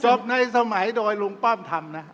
จบในสมัยโดยลุงต้อมธรรมนะฮะ